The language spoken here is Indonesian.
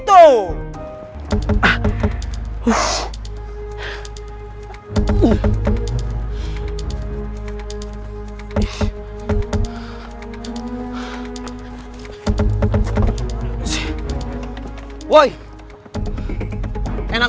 kamu harus erok masuk dari sini